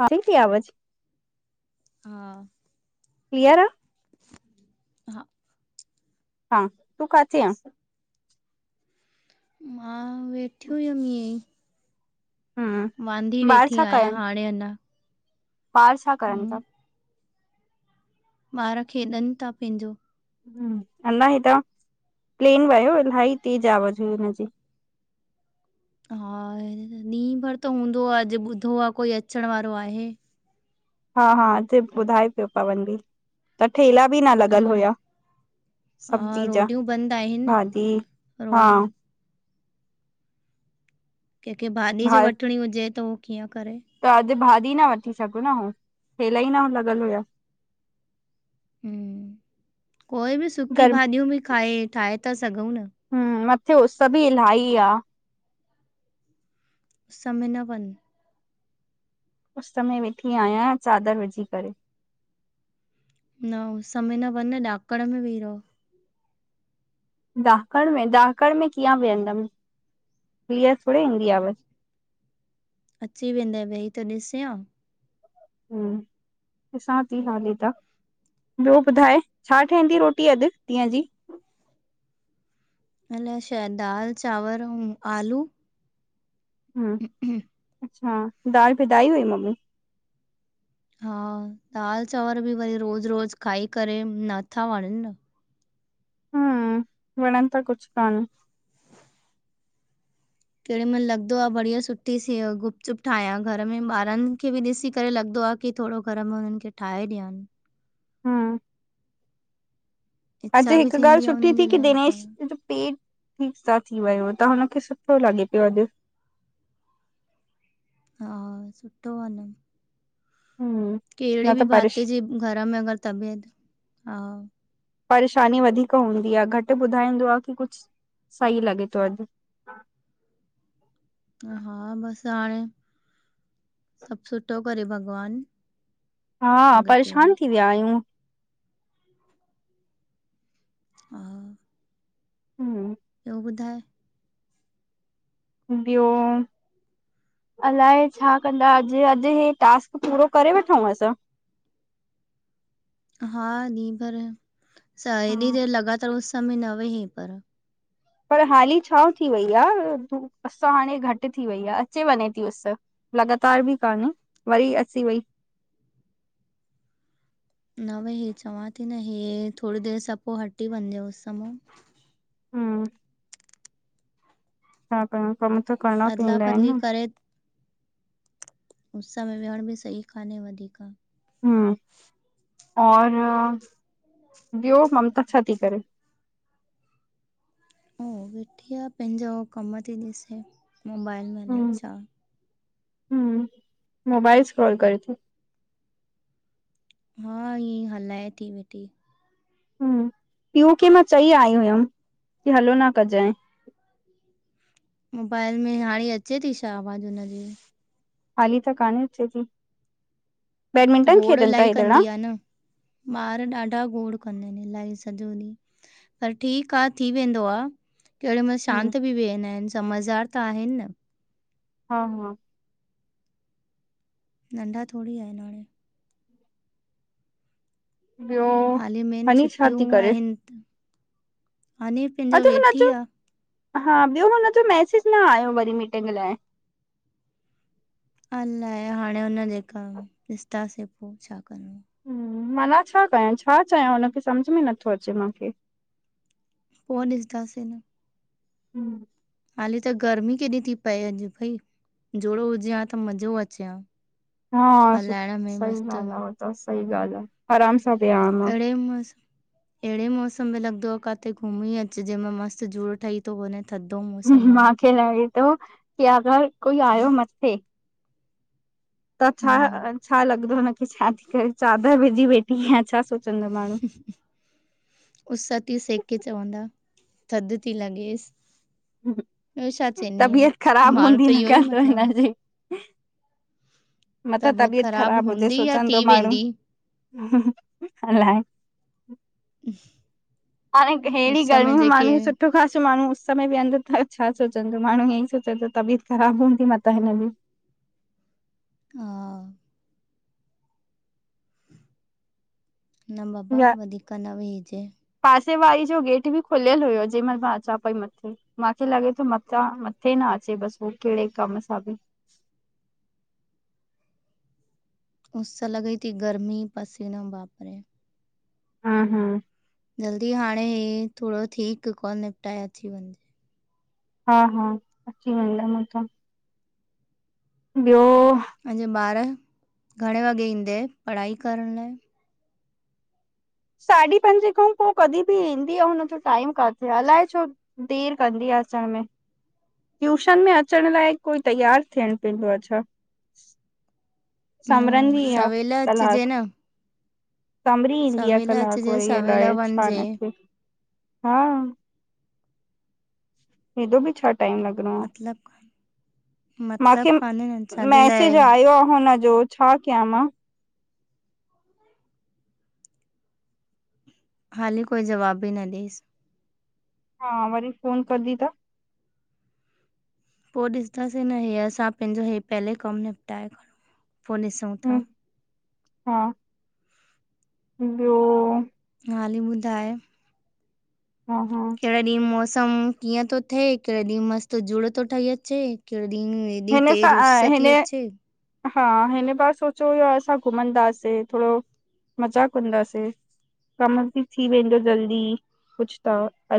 हा अचई थी आवाज़? हा क्लीअर आ? हा [inaudible] हा, तूं काथे आं? मां वेठी हुयमि इअं ई। हम्म वांदी ॿार वेठी छा आयां कयनि हाणे अंञा। ॿार छा करनि था? ॿार खेॾनि था पंहिंजो। हम्म, अलाए हितां प्लेन वयो इलाही तेज़ आवाज़ हुई हुनजी। हा हे ॾींहुं भर त हूंदो आ, अॼु ॿुधो आ कोई अचणु वारो आहे। हा हा, हिते ॿुधाए पियो पवन भी त ठेला भी न लॻल रो हुया। हा सब्जी जा, रोडियूं बंदि आहिनि भाॼी, हा रोडियूं कैंखे भाॼी भा जो वठिणी हुजे त उहो कीअं करे? त अॼु भाॼी न वठी सघूं न हू, ठेला ई न लॻल हुया। हम्म, कोई भी सुकी गर्म भाॼियूं भी खाई ठाहे था सघंउं न। हम्म, मथे उस्स भी इलाही आ। उस्स में न वंञ। उस्स में वेठी आहियां चादरु विझी करे। न उस्स में न वंञ, ॾाकंण में वेही रहो। ॾाकंण में! ॾाकंण में कीअं विहंदमि, क्लीअर थोड़ी ईंदी आवाज़। अची वेंदे, वेही त ॾिसे हां। हम्म, ॾिसां थी हाली त। ॿियो ॿुधाए, छा ठहंदी रोटी अॼु ॾींहं जी? अलाए शायद दाल, चांवर औं आलू। हम्म, अच्छा दाल पिधाई हुई मम्मी? हा, दाल चांवर भी वरी रोज़ रोज़ खाई करे नथा वणनि न। हम्म, वणनि त कुछु कान। केॾी महिल लॻदो आ, बढ़िया सुठी सी गुप चुप ठाहियां घर में ॿारनि खे बि ॾिसी करे लॻदो आ कि थोरो घर में हुननि खे ठाहे ॾियानि। हम्म, इच्छा अॼु बि हिक ॻाल्हि थींदी आहे सुठी हुननि जे थी कि लाइ पर दिनेश जो पेट ठीकु सां थी वियो, त हुनखे सुठो लॻे पियो अॼु। हा, सुठो आ न। हम्म कहिड़ी न बि त परेश भाती जे घर में, अगर तबियत हा परेशानी वधीक हूंदी आ, घटि ॿुधाईंदो आ की कुझु सही लॻे थो अॼु। हा बसि हाणे, सभ सुठो करे भॻवानु! हा, परेशान थी विया आहियूं। हा हम्म बियो ॿुधाए? ॿियो अलाए छा कंदा अॼु, अॼु हे टास्क पूरो करे वठूं असां? हा ॾींहं भर, हा [unintelligible] लॻातार उस में न वेही पर पर हाली छांव थी वई आ, धूप उस हाणे घटि थी वई आ, अचे वञे थी उस। लॻातार बि कान्ह, वरी अची वई। न वेह हे चवां थी न, हे थोरी देरि सां पोइ हटी वञ जंहिं उस मां। हम्म छा कयां, कम त करिणा अदला पवंदा आहिनि बदली न करे उस में वेयण बि सही कान्हे वधीक। हम्म, और ॿियो ममता छा थी करे? अऊं वेठी आ, पंहिंजो कम थी ॾिसे मोबाइल में। अलाए हम्म, छा हम्म मोबाइल सक्रोल करे थो। हा, ईअं ई हलाए थी वेठी। हम्म, पीयू के मां चई आई हुयमि की हलो न कजाएं। मोबाइल में हाणे अचे थी छा, आवाज़ हुनजी? हाली त कान अचे थी, बैडमिंटन गोड़ खेॾनि इलाही था हे ॼणा? कंदी आहे न ॿार ॾाढा गोडु कंदा आहिनि, इलाही सॼो ॾींहुं। पर ठीकु आ, थी वेंदो आ केॾी महिल शांत बि वेहंदा आहिनि समझदार त आहिनि न हा हा नंढा थोरई आहिन हाणे ॿियो हाली मेन हनी छा छुटियूं थी करे आहिनि हानी अॼु हुनजो, हा ॿियो हुनजो मैसेज न आयो वरी मीटिंग लाइ अलाए हाणे हुन जे जेका, ॾिसतासीं पोइ छा करिणो? माना छा कयां, छा चयां हुनखे, समझ में नथो अचे मूंखे पोइ ॾिसंदास न हम्म हाली त गर्मी केॾी थी पए अॼु भई, जुड हुजे हा त मज़ो अचे हा। हा हलाइण में सही मस्तु ॻाल्ह आ, हो त सही ॻाल्हि आ, आराम स अडे मज़ अहिड़े मौसम में लॻंदो आ, काथे घुमी अचिजे जंहिंमें मस्तु जुड ठही थो वञे। थधो मौसम आ मांखे लॻे थो, की अगरि कोई आयो मथे त छा हम्म छा लॻंदो हुनखे, छा थी करे चादरु विझी वेठी आयां, छा सोचंदो माण्हू उस ती सेके चवंदा थध ती लॻेसि, ॿियो छा चईंदीअ तबियत ख़राब माण्हू हूंदी त न इहो ई करे मतिलबु हिनजे मतां तबियत ख़राब ख़राबु हुजेस हूंदी या थी सोचंदो माण्हू, वेंदी अलाए? म [inaudible] हाणे हेड़ी गर्मी में माण्हू सुठो खासो माण्हू उस में विहंदो त छा सोचंदो माण्हू ईअं ई सोचंदो तबियत ख़राबु हूंदी मतां हिनजी, हा। न बाबा या वधीक न वेहजे। पासे वारी जो गेट बि खुलियल हुयो जंहिंमल मां अचां पई मथे, मांखे लॻे तो मतां मथे न अचे बसि उह कहिड़े कम सां बि, उस लॻई ती, गर्मी पसीनो बापरे, हा- हा। जल्दी हाणे ही थोड़ो ठीकु काॅल निपटाए अची वञिजें। हा -हा, अची वेंदम हुतां। ॿियो? अॼु ॿार घणे वॻे ईंद, पढ़ाई करण लाइ। साढी पंजे खां पो कॾहिं बि ईंदी अऊं हुनजो टाइम काथे आ, अलाए छो? देरि कंदी आ अचण में। ट्यूशन में अचण लाइ कोई तैयारु थियन पयूं, अच्छा। न, समरंदी आहे सवेल अचजे न। संबरी ईंदी आ सवेल कलाक अचिजे वरी सवेल अलाए वञिजे छाखे हा। हेदो बि छा? मतलब, मांखे छाजे लाइ मैसेज आयो आ, हुन जो छा कयां मां? हाली कोई जवाब ई न ॾेस। हा, वरी फोन कंदी त, पो ॾिसंदासे न, हे असां पंहिंजो ‌हे पहले कमु निपटाए खणूं, पो ॾिस हम, हा, ॿियो? हाली ॿुधाए? हा -हा। कहिं ॾींहुं मौसम कीअं तो थे, कहिं ॾींहुं मस्त झूड़ तो ठही अचे, कहिं ॾींहुं हे एॾी हिन सां तेज उस हिन ती अचे। हा, हिन बार सोचियो हुयो असां घुमंदासे थोड़ो मज़ा कंदासे, कमु बि थी वेंदो जल्दी कुछ त।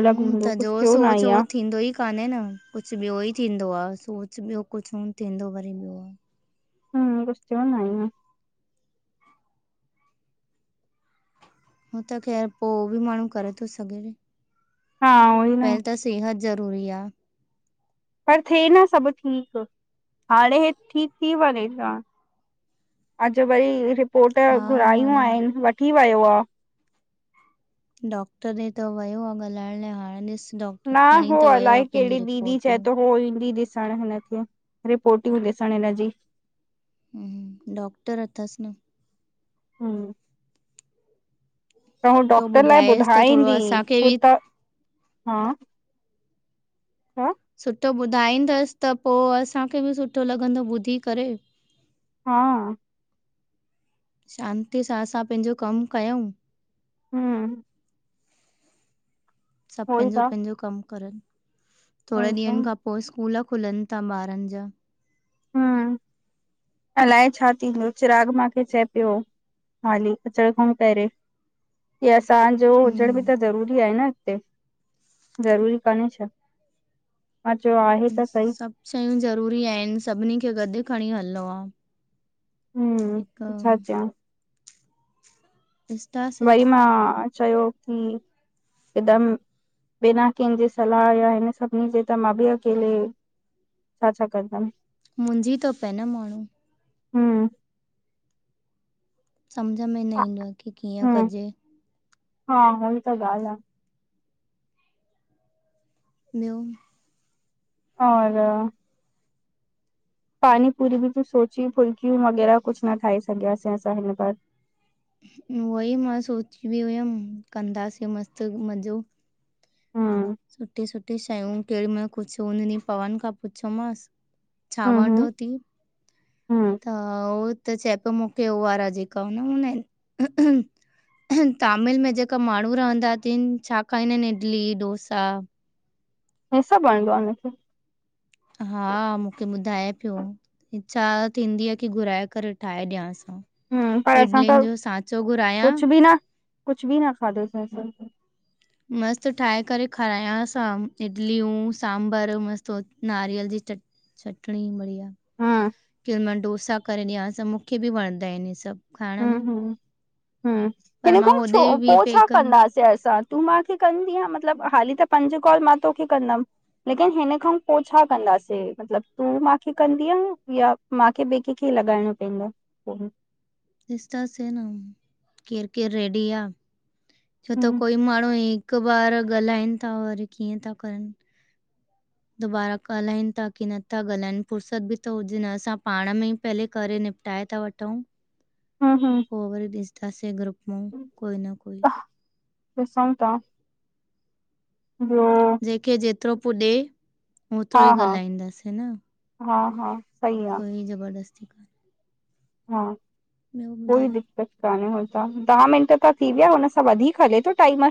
अलॻि हूंदो त कुझ जो थियो न सोच आहे हो आ। थींदो ई क कान्हे न कुछ ॿियो ई थींदो आ, सोच ॿियो कुछु थींदो वरी ॿियो। हुं-कुछ थियो नाहे अञां। हू त ख़ैर पो बि माण्हू करे तो सघे न, हा उहोई न पहिल त सेहत ज़रूरी आ। पर थे न सभु ठीकु। हाणे हे ठीकु थी वञेआ, अॼु वरी रिपोर्ट हा घुरायूं हाणे आहिनि, वठी वियो आ। डॉक्टर ॾे त वियो आ ॻाल्हाइण लाइ, हाणे ॾिस, डॉक्टर न खणी हो त वियो अलाए आहे पंहिंजी कहिड़ी दीदी चए रिपोर्टियूं तो हो ईंदी ॾिसण, हुन रिपोर्टियूं ॾीसण हिन जी। हम्म, डॉक्टर अथस न। हम्म। त हू सुठो डॉक्टर लाए ॿुधाएसि त थोरो ॿुधाईंदी, असांखे पो बि त छा सुठो ॿुधाईंदसि, त पो असांखे बि सुठो लॻंदो ॿुधी करे। हा। शांतीअ सां असां पंहिंजो कमु कयंउं हम्म सभु उहोई त पंहिंजो- पंहिंजो कम करनि, थोड़े उहोई त ॾींहंनि खां पो स्कूल खुलनि ता ॿारनि जा। हम्म [inaudible] अलाए छा थींदो, चिराग माखे चए पियो हाली अचण खंउ पहिरें, की असांजो हुजण बि हम्म। त ज़रूरी आहे न। उते, ज़रूरी कान्हे छा? मां च्यो आहे त सही सभु शयूं ज़रूरी आहिनि, सभिनी खे गॾु खणीं हलणो आ। हिक हम्म छा चयां ॾिसंदासीं, वरी मां चयो की हिकदमि बिना कंहिजे सलाह या हिन सभिनी जे त मां बि अकेले छा छा कंदमि मुंझी तो पै न माण्हूं हम्म सम्झ में न ईंदो आ की कीअं हम्म कजे हा होई त ॻाल्हि आ। ॿियो? और पानी पुरी बि तूं सोची फुल्कियूं वग़ैरह कुछ न ठाहे सघियासीं असां हिन बार उहोई मां सोची बि हुयम कंदासीं मस्तु मज़ो हम्म सुठी -सुठी शयूं केॾीमहिल कुछु हुन ॾीह पवन खां पुछियोमांसि छा हम्म वणदो हम्म ती, हम्म त हा हो त चए पियो, मुखे होवारा जेका न हूंदा इनि तामिल में जेका माण्हूं रहंदा तिन, छा खाईंदा इनि इडली, डोसा हे सभु वणंदो आ उनेखे? हा मुखे ॿुधाए पियो, इच्छा थींदी आ की घुराए करे ठाहे ॾियांसि। हम्म पर असां त इडलियुन जो सांचो घुरायां कुझु बि न खादो सें असां त। मस्तु ठाहे करे खारायस हां, इडलियूं, सांभर मस्तु हो नारियल जी चट चटणीं बढ़िया, हम्म केॾिमल डोसा करे ॾियांस हां, मुखे बि वणंदा इनि हे सभु। खाइण हम्म में -हम्म- हम्म पर हिन मां खौं होॾे छो बि पो छा पेकनि में कंदासे असां? तूं माखे कंदीअ, मतिलबु हाली त पंज कॉल मां तोखे कंदमि लेकिन हिन खौं पो छा कन्दासे मतिलबु तूं माखे कंदीअ या माखे बे केखे लॻाइणो पइंदो पो डिस्दा से न, केरि -केरि रेडी आ छो त हम्म कोई मा माण्हूं हिकु बार ॻाल्हाइनि ता वरी कीअं ता करन दुबारा ॻाल्हाइनि ता की नथा ॻाल्हाइनि फुर्सत बि त हुजे न असां पाण में ई पहले करे निप टॉइ था वठूं। ह। हा। पोइ वरी ॾिसंदासीं ग्रुप मां कोई न कोई। डिस्सो ता। उ [inaudible] जेंखे जेतरो पुॾे, हा ओतिरो ई हा ॻाल्हाईंदासीं न। हा। हा। सही आ। कोई ज़बरदस्ती। हा। ॿियो कोई ॿुधायो दिक्कत। ॾह मिंट त थी विया हुन सां वधीक हले थो टाइमर।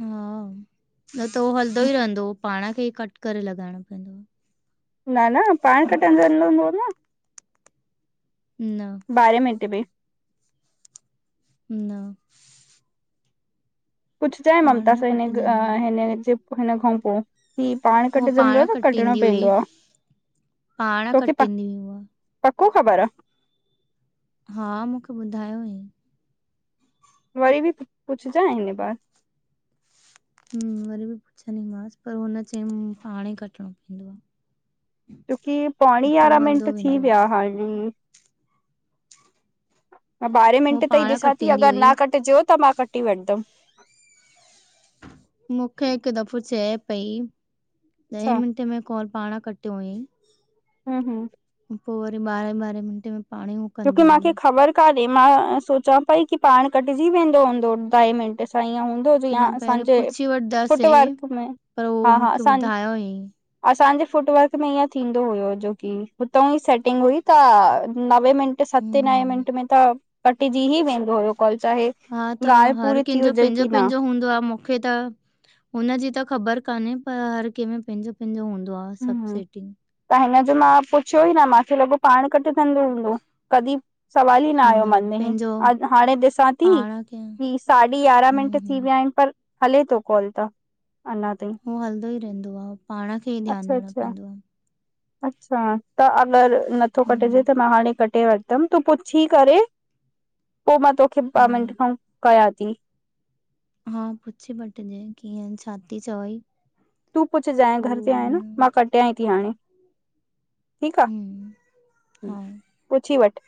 हा। न त हो हलंदो ई रहंदो पाण खे ई कट करे लॻाइणो पवंदो। न। न। पाण कटजंदो हुदो न। न बारहे मिंटे में। न। कुछु जाए पाण ममता न सां हिन, कटिजंदो अह आहे हिन जे हिन खां पोइ। ही। पाण हूअ कटजंदो पाण न कटणो कटींदी हुई पवंदो आ पाण तोखे पा कटींदी हुई उहा पको ख़बर आ। हा। मूंखे ॿुधायो हुई। वरी बि पुछ जाए हिन बार? मा वरी बि पुछंदीमांसि पर हुन चय पाणे कटणो पवंदो। क्योकी पौणी अटो यारहां मिंट हलंदो थी वेंदो विया आ हाणे। मां ॿारहें हू मिंटे तई पाण ॾिसां थी कटींदी अगर हुई न कटिजो त मां कटी वठदम। मूंखे हिकु दफ़ो चए पई ॾहे अच्छा मिंटे में कॉल। पाण कटियो हुअईं। हम। हम पो वरी ॿारहें ॿारहें मिन्टे में पाणइ हो। क्युकी। मूंखे ख़बर मां सोचां पई की पाण कटजी वेंदो हूंदो डहें मिंट सां ईअ ऊ। पो जीअं न पहिरियों असांजे पुछी वठंदासे फुटवर्क में, पर उहो हा, हा, मूंखे असां। ॿुधायो हुयईं असांजे फूटवर्क में ईअं थींदो हुयो जोकी हुतो ई सेटिंग हुई त नवे मिंट सते, नवें हम्म मिंट में त कटिजी ई वेंदो हुयो कॉल चाहे हा त ॻाल्हि हर पूरी थी कंहिंजो हुजे पंहिंजो- की न पंहिंजो हूंदो आ मो मूंखे त हुनजी त ख़बर कान्हे पर हर कंहिंमें पंहिंजो पंहिंजो हूंदो आह सभ हम्म सेटिंग त हुनजो मां पुछियो ई न माखें लॻो पाण कटजदो हूंदो कॾहिं। सवाल ई न आहियो मन में ही अॼ हाणे ॾिसां थी। पाण खे ही। साढी यारहां हम्म मिंट थी हम्म विया आहिनि पर हले थो कॉल त अञा ताईं। उह हलंदो ई रहंदो आहे पाण खे ई अच्छा ध्यानु अच्छा ॾियणोवंदो आ। अच्छा, त अॻर नथो कटजे हम्म त मां हाणे कटेव दम तूं पुछी करे पोइ मां तोखे ॿ मिंट हा खां कयां तीं। हा। पुछी वठ ॼा कीअं छाती चवई? तूं पुछजाएइ पो घर ते आऐ न हुन मां कटियांई थी हाणे। ठीक आ। हम्म हा पुछी वठ।